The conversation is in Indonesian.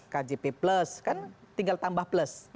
kjp plus kan tinggal tambah plus